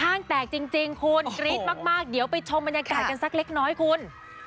ข้างแตกจริงคุณกรี๊ดมากเดี๋ยวไปชมบรรยากาศกันสักเล็กน้อยคุณ